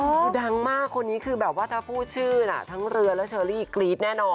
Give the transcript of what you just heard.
คือดังมากคนนี้คือแบบว่าถ้าพูดชื่อน่ะทั้งเรือและเชอรี่กรี๊ดแน่นอน